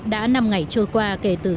đã năm ngày trôi qua kể từ